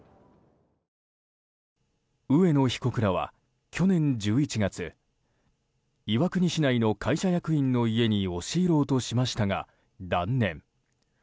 上野被告らは去年１１月岩国市内の会社役員の家に押し入ろうとしましたが断念。